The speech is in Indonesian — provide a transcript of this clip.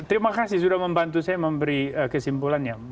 terima kasih sudah membantu saya memberi kesimpulannya